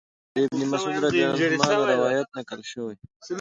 د ابن مسعود رضی الله عنه نه روايت نقل شوی